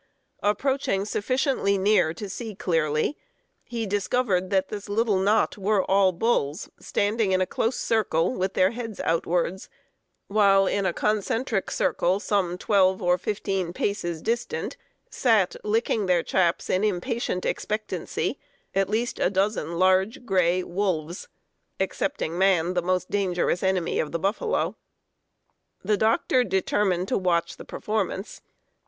Approaching sufficiently near to see clearly, he discovered that this little knot were all bulls, standing in a close circle, with their heads outwards, while in a concentric circle at some 12 or 15 paces distant sat, licking their chaps in impatient expectancy, at least a dozen large gray wolves (excepting man, the most dangerous enemy of the buffalo). "The doctor determined to watch the performance.